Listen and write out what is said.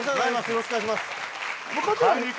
よろしくお願いします。